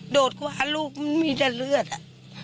โดดกว่าลูกมันมีแต่เลือดอ่ะ